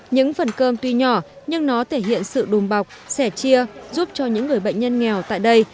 những phần cơm tuy nhỏ nhưng nó thể hiện sự đùm bọc sẻ chia giúp cho những người bệnh nhân nghèo tại đây